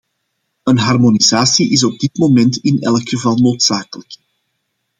Een harmonisatie is op dit moment in elk geval noodzakelijk.